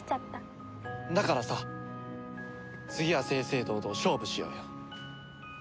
だからさ次は正々堂々勝負しようよ。